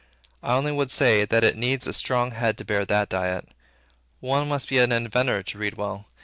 I only would say, that it needs a strong head to bear that diet. One must be an inventor to read well.